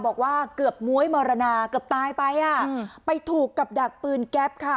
บอกว่าเกือบม้วยมรณาเกือบตายไปอ่ะไปถูกกับดักปืนแก๊ปค่ะ